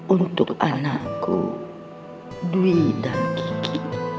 untuk anakku dwi dan kiki